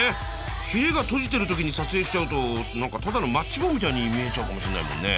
ヒレが閉じてる時に撮影しちゃうと何かただのマッチ棒みたいに見えちゃうかもしれないもんね。